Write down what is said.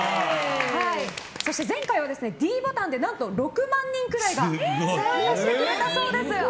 前回はｄボタンで６万人くらいが参加してくれたそうです。